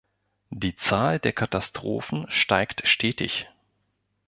Die Zahl der Katastrophen steigt stetig.